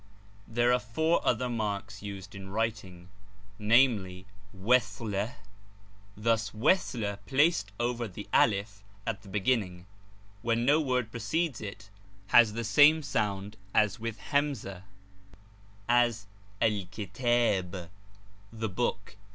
There are four other marks used in writing, viz. —■ Wazlah *L=j , thus * placed over the alif I, at the beginning. When no word precedes it has the same aound as with hamzah, as el Xittib ' the book.'